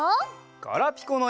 ガラピコのえ。